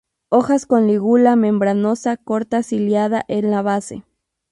Hojas con lígula membranosa, corta, ciliada en la base.